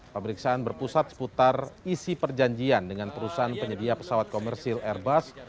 pemeriksaan berpusat seputar isi perjanjian dengan perusahaan penyedia pesawat komersil airbus